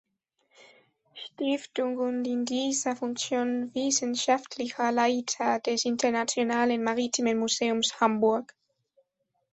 Stiftung und in dieser Funktion wissenschaftlicher Leiter des Internationalen Maritimen Museums Hamburg.